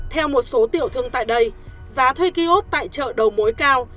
theo một số tiểu thương tại đây giá thuê kiosk tại chợ đầu mối cao